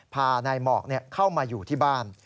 พานายหมอกเข้ามาอยู่ที่บ้าน